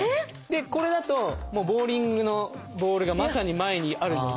でこれだとボウリングのボールがまさに前にあるので。